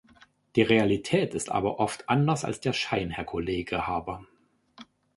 Die Realität ist aber oft anders als der Schein, Herr Kollege Harbour.